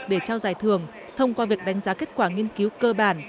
để trao giải thưởng thông qua việc đánh giá kết quả nghiên cứu cơ bản